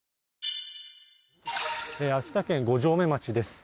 秋田県五城目町です。